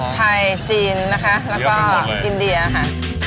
ไทยจีนแล้วก็อินเดียค่ะ